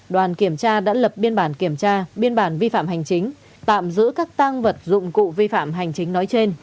đoàn kiểm tra đã lập biên bản kiểm tra biên bản vi phạm hành chính tạm giữ các tăng vật dụng cụ vi phạm hành chính nói trên